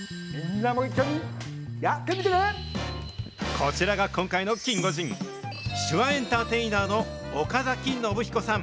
こちらが今回のキンゴジン、手話エンターテイナーの岡崎伸彦さん。